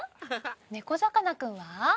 ねこざかなくんは？